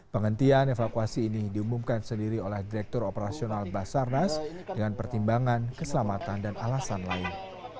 penghentian evakuasi ini diumumkan sendiri oleh direktur operasional basarnas dengan pertimbangan keselamatan dan alasan lain